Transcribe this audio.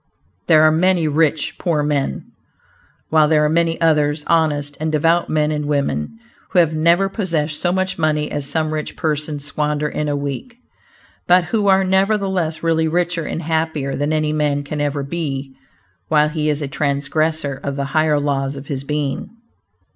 "There are many rich poor men," while there are many others, honest and devout men and women, who have never possessed so much money as some rich persons squander in a week, but who are nevertheless really richer and happier than any man can ever be while he is a transgressor of the higher laws of his being.